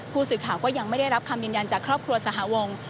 ผู้สื่อข่าวก็ยังไม่ได้รับคำยืนยันจากครอบครัวสหวง